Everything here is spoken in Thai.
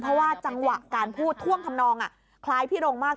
เพราะว่าจังหวะการพูดท่วงทำนองคล้ายพี่รงมาก